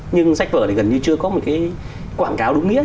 nhưng sách vở thì gần như chưa có một cái quảng cáo đúng nghĩa